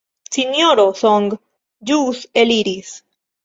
Sinjoro Song ĵus eliris.